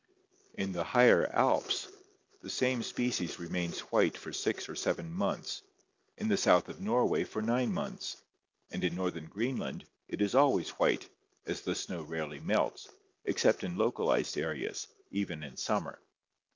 In the higher Alps the same species remains white for six or seven months, in the south of Norway for nine months, and in northern Greenland it is always white, as the snow rarely melts, except in localized areas, even in summer.